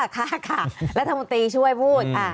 ค่ะค่ะรัฐมนตรีช่วยพูด